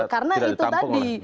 karena itu tadi